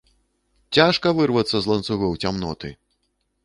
Цяжка вырвацца з ланцугоў цямноты!